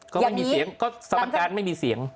ก็ไม่มีเสียงก็สมการไม่มีเสียง